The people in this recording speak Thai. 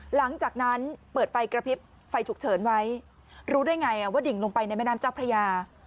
หลังจากนั้นเปิดไฟกระพริบไฟฉุกเฉินไว้รู้ได้ไงว่าดิ่งลงไปในแม่น้ำเจ้าพระยา